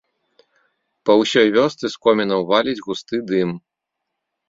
Па ўсёй вёсцы з комінаў валіць густы дым.